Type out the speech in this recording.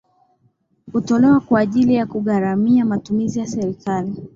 hutolewa kwa ajili ya kugharamia matumizi ya serikali